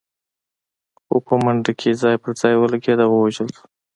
خو په منډه کې ځای پر ځای ولګېد او ووژل شو.